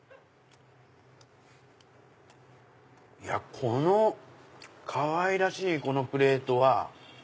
このかわいらしいプレートは。